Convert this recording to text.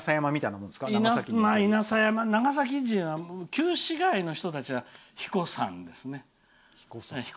稲佐山、長崎人は旧市街の人たちは彦山ですね。